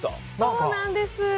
そうなんです。